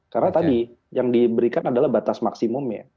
karena tadi yang diberikan adalah batas maksimum ya